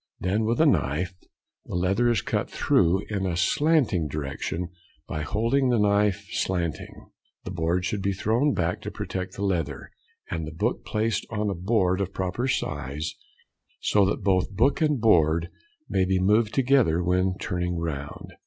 Then with a knife, the leather is cut through in a slanting direction by holding the knife slanting. The boards should be thrown back to protect the leather, and the book placed on a board of proper size, so that both book and board may be moved together, when turning round.